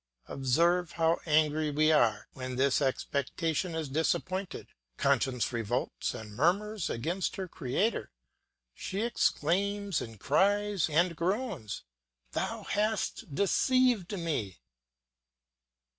Observe how angry we are when this expectation is disappointed. Conscience revolts and murmurs against her Creator; she exclaims with cries and groans, "Thou hast deceived me."